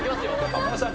浜野さん。